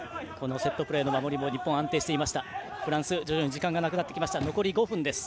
セットプレーの守りも日本、安定している。